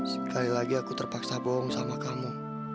sekali lagi aku terpaksa bohong sama kamu